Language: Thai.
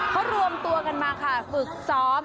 เขารวมตัวกันมาค่ะฝึกซ้อม